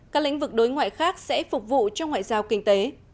các lĩnh vực đối ngoại khác sẽ phục vụ cho ngoại giao kinh tế